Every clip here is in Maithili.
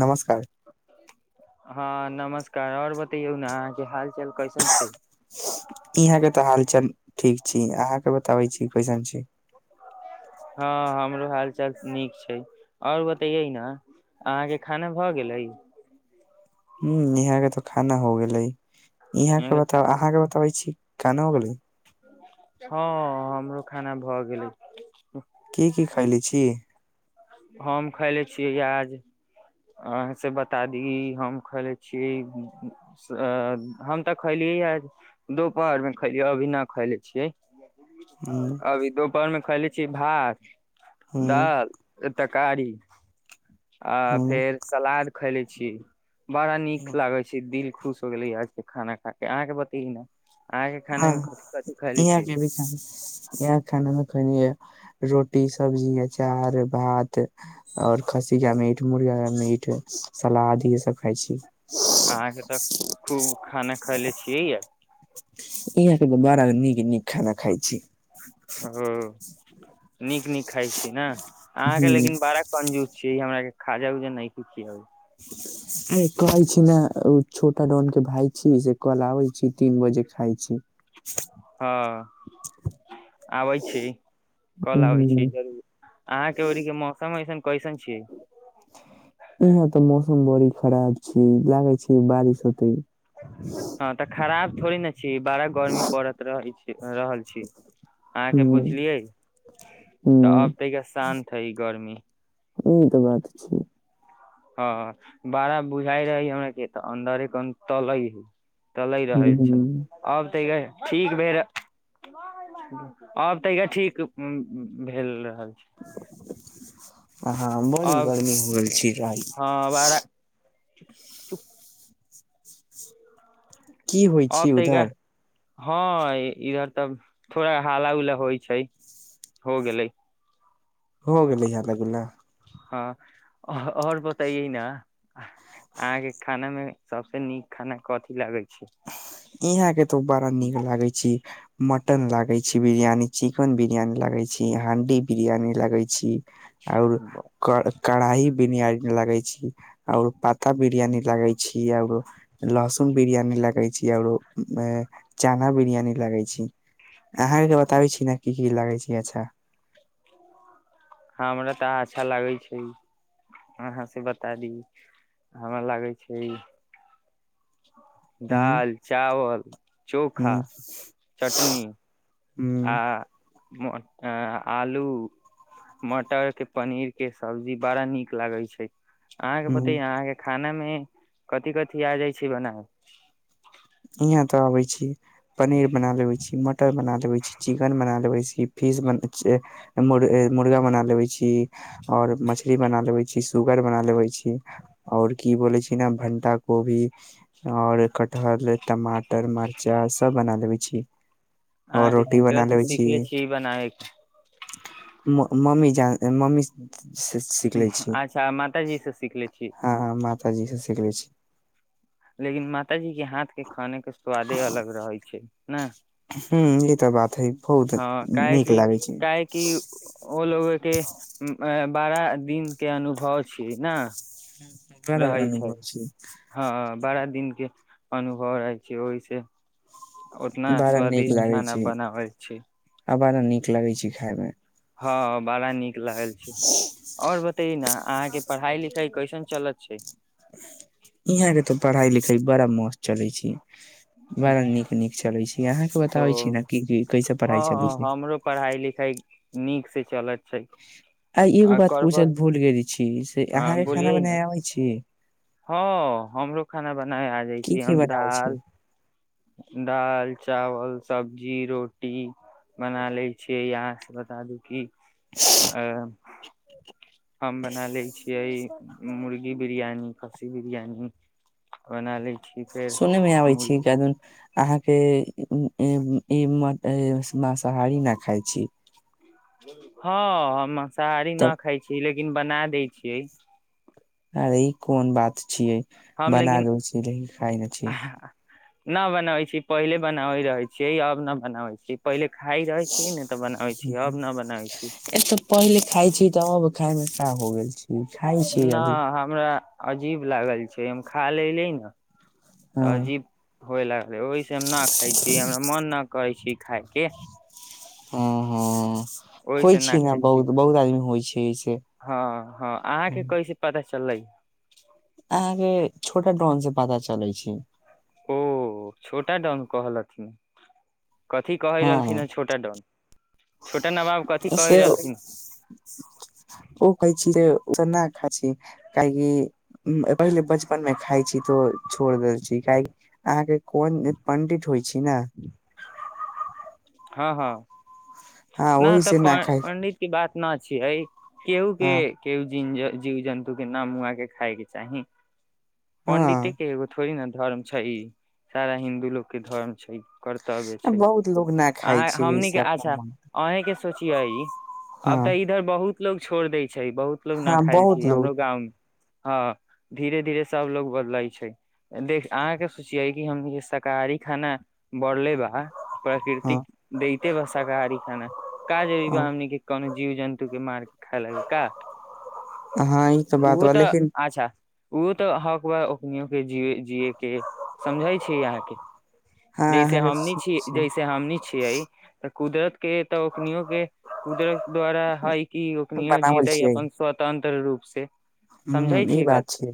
नमस्कार। हँ नमस्कार, आओर बतैयौ ने अहाँके हाल चाल कैसन छै। इहां के तऽ हाल चाल ठीक छी, अहां के बताबे छी कइसन छी। हँ हमरो हाल चाल नीक छै, आओर बतैयै ने अहाँके खाना भऽ गेलै। ह यहाँ के तो खाना हो गेलै, यहां के अहाँके खाना? बतावा अहाँ के बताबै छी खाना हो गेलै। हँ हमरो खाना भऽ गेलै। की की खायले छी? हम खैले छियै आाज अहाँसँ बता दी हम खलै छिय अ हम तऽ खैलियै ह दुपहरमे खलियै अभी न खायले छियै। हुँ अभी दोपहर मे खैले छीय भात हुँ दाल तकारी आ हुँ फेर सलाद खैले छी। बड़ा नीक लागे छै दिल खुश हो गेले आज के खाना खा के। अहाँके बताईए न? अहाँके खाने मे कथी कथी खैली छी? ठ [unintelligible] यहा खाना मे खैनीये रोटीसब्जी, अचार भात और खसीया मीट मुर्गा मीट सलाद इ सब खाई छी। अहाँके तऽ खूब खाना खएले छियै या। इहाँके तऽ बड़ा नीक नीक खाना खाइ छी। ओ नीक नीक खाइ छी ने अहाँके हुँ लेकिन बारह पंजूस छीिय हमरा के खाजा उऊजा नहि कोइ खियावे आय कहै छी ने छोटा डोन के भाय छी से कल आबै छी तीन बजे खााय छी। [unintelligible] हँ आबै छी कल आबै हूं छी जरूर [unintelligible] अहाँ के ओड़ी के मौसम ऐसन कैसन छियै? यहाँ तऽ मौसम बड़ी खराब छै लागे छै बारिश होते। [unintelligible] हँ तऽ खराब थोड़े ने छी बड़ा गर्मी पड़त रहै छै। रहल छी अहाँके हूं बुझलियै तऽ हूं अब त शान रही ई गर्मी। ई तऽ बात छी। हँ बड़ा बुझााय रहै हमरा के तऽ अन्दरे कन तलै ह। चलहि रहल छ हूं आब तऽ ठीक भेल र [unintelligible] [unintelligible] आब तऽा ठीक भेल रहल। ह बड़ी अब गर्मी होल छै र। हँ बड़ा चुप की होइ छी आब तै क उधर हँ इधर तब थोड़ा हाला उला होइ छै हो गेले। हो गेलै यहाँ तग [unintelligible] हँ ह आओर बताइयए न [unintelligible] अहाँके खाना मे सबस नीक खाना कथी लगै छै? यहाँ के तो बड़ा नीक लागे छी मटन लागे छी, बिरियानी चिकेन बिरियानी लागे छी, हंडी बिरियानी लगे छी। आओर कढ कढ़ाई बिरियानी लगै छी आओर पाता बिरियानी लगै छी कि आओर लसुन बिरियानी लगै छी आओरो अ में चना बिरियानी लगै छी। अहाँकेके बताबै छी ने की की लागै छै अच्छा? हमरा तऽ अच्छा लागै छै। अहाँ से बता दी हमरा लागे छै ह्म्म दाल, चावल, चोखा, ह्म्म चटनी ह्म्म आ म आ आलू। मटर के पनीर के सब्जी बड़ा नीक लागे छै। आहाँके ह्म्म। बतैया आहाँके खाना मे कथि- कथि आ जाय छै बना? यहाँ तऽ आबेै छी पनीर बना लेवे छी मटन बना लेवे छी चिकेन बना लेवे छी। फीस बन मुर-मुर्गा बना लेबे छी। और मछली बना लेवे छी सुगर बना लेवै छी। और की बोले छी ने भण्टा कोबी और कटहल। टमाटर मरचा सब बना लेबेै छी। और आहाँके रोटी किकड़ा बना से लेबे छी सिखले छियै ई बनाबे के? म मम्मी जाय मम्मी से- सिखले हूँ अच्छा माताजी से सिखले छी? आहाँ माताजी सँ शिखले छी। लेकिन मातााजी के हाथ के खाने के स्वादे अलग रहेै छै न। हूँ ई तऽ बात है बहुत हँ नीक काहेकि लागै छै। काहेकि ओ लोग के बारा दिन के अनुभव छैय न। [unintelligible] रहै छै हँ बड़ा दिनके अनुभव रहै छै ओहिसे। ओतना बड़ा नीक स्वादिष्ट लागे खाना छै बनाबै छै। आ बड़ा नीक लगे छै खाय में। हँ बड़ा नीक लागल छै। और बतायेै नऽ आहाँके पढ़ाई लिखाई कैसन चलत छै? यहाँ के तऽ पढ़ाई लिखाई बड़ा मस्त चलै छै। बारा नीक नीक चलै छै यहाँ के ओ बताबै छी ने कि की कैसे पढ़ाई चलै हँ छै। हमरो पढ़ाई लिखाई नीक से चलत छै। आ एगो बात पूछल भूल गेल छी से हँ आहाँ के खाना बोलियै न बनाय आबै छी? हँ हमरो खाना बनाय आ जाय की छी की हम बनाबै छी दाल- दाल, चावल, सब्जी, रोटी- बना लै छियै आहाँ से बता दू कि अं। हम बना लै छियै मुर्गी बिरयानी खस्सी बिरयानी। बना लै छी। सुनै मे आबै छी मुर्गी कै दिन। आहाँके ई ई माँसाहारी नऽ खाय छी? हँ हम माँसाहारी तऽ नऽ खाय छी लेकिन बना दै छियै। अरे ई कोन बात छियै हम बना लेकिन दै छी लेकिन खाय नै छी? नऽ बनाबै छी पहिले बनाबे रहेै छियै अब नऽ बनाबै छी। पहिले खाय रहै छी नऽ तऽ बनाबै छी अब नै बनाबै छी। ए तऽ पहिले खाय छी तऽ अब खाय में का हो गेल छै? ना हमरा अजीब लागल छै हम खा लेलीय नऽ। हँ तऽ अजीब होए लागलै ओहिस हम नै खाय छी हमरा मन नै करै छी। खायके हँ हँ होय ओहिसे न छै ने खाइ छी बहुत बहुत आदमी होय छै ऐसे हँ, हँ आहाँके कैसे पता चललै? आहाँके छोटा डाॅन से पता चलै छै। ओ छोटा डाॅन कहलथिन कथी कहै रहलथिन हँ छोटा डाॅन? से उ कहै छी रे केना खा छी? काहेकि पहिले बचपन मे खाय छी तो छोड़ देल छी काहे की आहाँके। कोन पण्डित होय छी नै? हां-हां हँ न ओहि तऽ से प खाइ पंडित ई बात न छियै केहू के हँ - केहु जीन ज जीव जन्तुके ना मुआके खाइके चाही, पंडिते हँ के एगो थो वही नै धर्म छै ई सारा हिन्दू लोग के धर्म छै, कर्तव्य छै। लोक ना अहां हमनी के अच्छा अहें के सोचियौ ई हँ अब तै ई इधर बहुत लोग छोड़ दय छै, बहुत लोग न हँ खाएल छै बहुत लोग हमरो गाँव मे। हां धीरे-धीरे सब लोग बदलय छै, देख अहाँ के सोचियै की हम जे शाकाहारी खाना बनले बा, हँ प्राकृतिक दैते बा शाकाहारी खाना का जरूरी बा हँ हमनी के कोनो जीव जन्तु के मारके खाए लागै का हँ ई बात ऊहो बा तऽ लेकिन अच्छा उ तऽ हक बा ओखनियौ के जी जीए के समझय छी आहाँ के। हँ जैसे हमनी छी, अहाँके जैसे हमनी छियै तऽ कुदरत के तऽ ओखनीयो के कुदरत के द्वारा हय की ओखनीयो बनावल जीतै छियै अपन स्वतंत्र रूप से ह समझै छी ई बात छै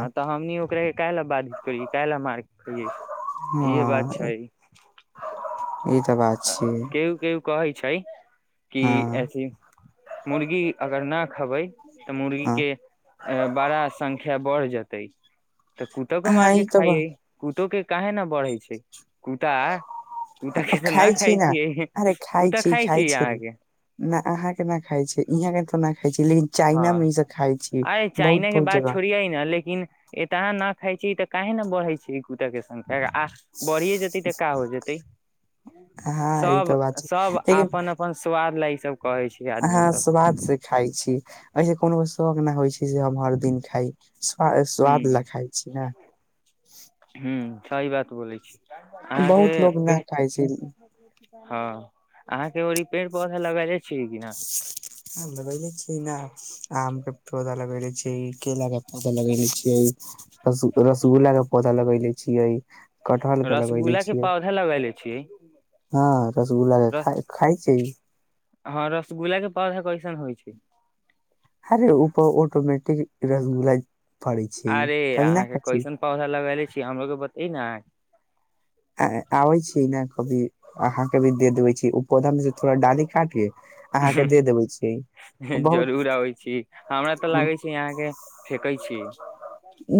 हां तै हमनी ओकरे काहे ल बांध के [unintelligible] काहै ल मार के खईयै हँ इहे बात छै। हँ ई तऽ बात अ-अ छियै केहु-केहु कहय छै की हँ ऐथी मुर्गी अगर न खबै तऽ मुर्गी हँ के ए बड़ा संख्य ख्या बढ़ जेते तऽ कुतो के अहाँ मार के ई तऽ खाय ब- [unintelligible] कुतो के काहे नै बढ़े छै। कुता कुता अब के तऽ खाय छी खाइ न छियै अरे खाय कुता छै, खाइ खाय छी छै। अहाँके न अहां के न खाय छीयै, इहाँ के त न खाय छीयै लेकिन हँ चाइना मे ई सब खाय छी, बहुत-बहुत जगह। छीयै न लेकिन एता ना खाय छी त काहे न बढ़य छै कूता के संख्या आ बढ़िए जेतै त का हो जेतै हँ ई तऽ बात छै सब-सब आपन अ पन स्वाद ल ई सब कहै छै आदमी हां सब स्वाद से खाय छी, ऐसे कोनो शौख न होय छै जे हम हर दिन खाइ स्वा स्वाद लै खाई छी नै हुं सही बात बोलै छी अहाँके बहुत लोग पे न खाइ छै हां अहाँ के ओर ई पेड़-पौधा लगैले छियै कि नै? हां लगैले छीयै न आम के पौधा लगैले छीयै, केेला के पौधा लगैले छीयै। रस-रसगुल्ला के पौधा लगेलय छियै। कटहल के लगैले रसगुल्ला के छियै। पौधा लगेले छियै हां रसगुल्ला के खाए खाइ छी? हां रसगुल्ला के पौधा कैसन होय छै। हरे उपर ऑटोमेटिक रसगुल्ला फड़य छै, अरे कभी न अहाँके खाय छी। कैसन पौधा लगैले छी हमरो के बतेई न ऐं आबै छीयै नै कभी अहाँके भी दे देबय छीयै उ पौधा मे से थोड़ा डाली काट के अहाँके दे देबै छी बहुत जरूर आबै छी, हमरा तै लागै छै। छै अहाँ के फेेकै छीयै।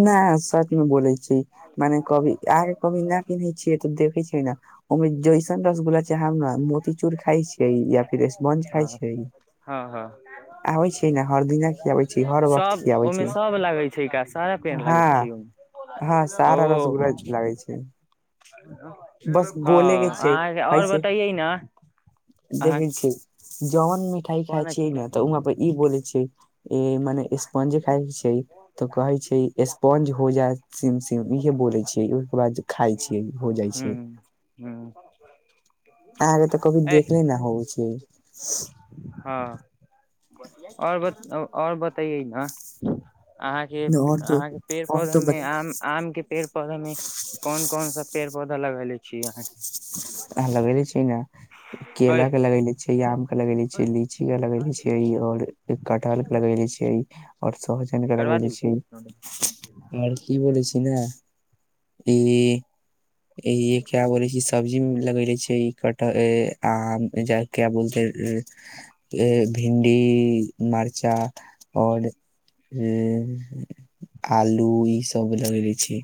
न सच मे बोलय छी। मने कभी आगे कभी ना पिन्है छियै तऽ देखै छै न। ओहि जैसन रसगुला चाहब न मोतीचूर खाइ छियै, या फिर बन खाय छै। ह - ह। आबै छै न हर दिना की आबै छै हर वक्त की आबै छै। कोन लागै छै ई का सारा पेड़ हा लागै छै ओहिमे - हा सारा ओ रसगुल्ला लागै छै। बस बोले हँ के छियै अहाँके है और से बतैयै न अहाँ जहन मिठाई खाय कोन छियै चीज न तऽ ऊहाँ पर ई बोलै छियै मने स्पंजी टाइप छै। तऽ कहे छै स्पॉन्ज हो जाय सिम- सिम इहे बोले छैै। ओहिके बाद खाय छीयै हो जाइ छै। हू- हू। आहा रैहते तऽ कभी देखले न हौ छै। ह और बताव और बताइए न। अहाँके, आओर तो अहाँके पेड़ आओर पौधा तो मे बता आम- आम के पेड़ पौधा में कोन - कोन सा पेड़ पौधा लगेले छी अहाँ। आहा लगैले छी न, अहाँ केेला के लगैले छि, आम के लगेले छी, लीची के लगेले छीयेय और कटहल के लगेेले छीयेय। और सोहजन के करबा लगौले दू छी, और की बोलै छी न ई ई क्या बोलै छी सब्जी मे लगैले छीयइ कटहर, आम क्या बोलते ए भिन्डी मर्चा और हे आलू ई सब लगैने छी।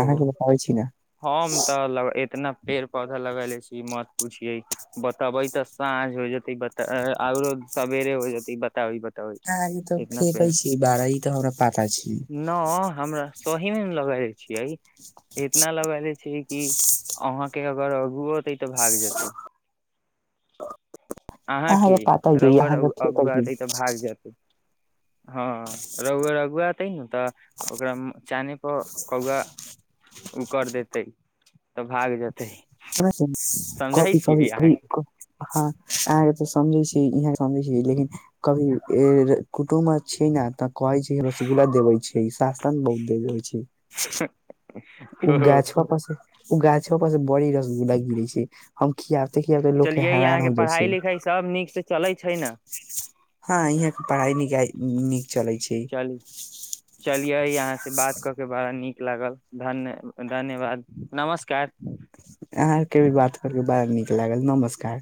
अहाँ के बताबै छी न। हम तऽ एतना पेड़ पौधा लगेले छी मत पूछिये। बतबै तऽ साँझ हो जेतै। ओरो सबेरे हो जेतै बताबै बताबै ह ई तऽ इतना फेेकै पेड़ छी बड़इ तऽ हमरा पाता छे। न हमरा सही में लगेले छीये, इतना लगैले छीये कि अहाँ के अगर अगूवो होतै तऽ भाग जेतै। अहाँ के अहाँके पता य रहुुआ अहाँके रहु फेकै अगु छी अतै तऽ भाग जेतै। हँ रगुआ रगुआते तऽ ओकरा चान पर कौआ ओ कर देतै तऽ भाग जेतै। समझै छियै अहाँके [unintelligible] ह अहाँके तऽ समझै छी इहे समझै छी, लेकिन कभी कुटुम आ छै न तऽ कहे छै रोसगुला देवे छै। शासन बहुत दे देेछै। हाहा ओ गाछबा पर से ओ गाछबा पर से बड़ी रसगुल्ला गिरै छै। हम खियाबते- खियाबते लोक के चलियै हैरान हो अहाँके जाइ पढ़ाइ छै। लिखाइ सब नीक से चलै छै ने ह यहाँ के पढ़ाई निखाइ नीक चलै छै। हेलो। चलियै यहाँ से बात कऽ के बड़ा नीक लागल धन्य धन्यवाद, नमस्कार। अहाँके भी बात करके बड़ा नीक लागल नमस्कार।